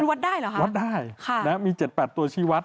มันวัดได้เหรอคะวัดได้มี๗๘ตัวชี้วัด